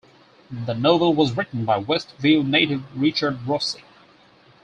The novel was written by West View native Richard Rossi.